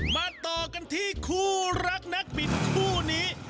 มาต่อกันที่คู่รักนักบินคู่นี้